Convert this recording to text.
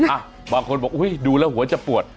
อ่ะบางคนบอกอุ๊ยดูแล้วหัวจะปวด